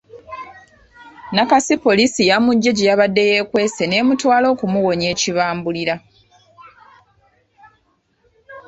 Nakasi poliisi yamuggye gye yabadde yeekwese n’emutwala okumuwonya ekibambulira.